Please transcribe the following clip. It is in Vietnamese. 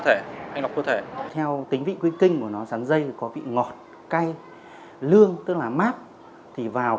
thể hay lọc cơ thể theo tính vị quy kinh của nó sáng dây có vị ngọt cay lương tức là mát thì vào